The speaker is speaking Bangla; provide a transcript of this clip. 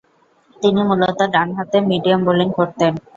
তিনি মূলতঃ ডানহাতে মিডিয়াম বোলিং করতেন।